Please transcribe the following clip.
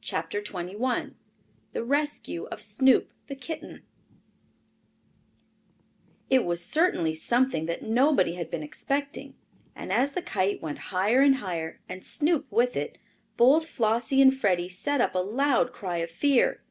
CHAPTER XXI THE RESCUE OF SNOOP, THE KITTEN It was certainly something that nobody had been expecting, and as the kite went higher and higher, and Snoop with it, both Flossie and Freddie set up a loud cry of fear.